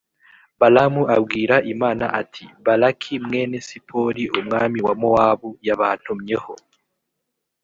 balamu abwira imana, ati «balaki mwene sipori, umwami wa mowabu, yabantumyeho.